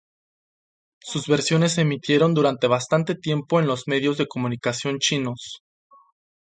Sus versiones se emitieron durante bastante tiempo en los medios de comunicación chinos.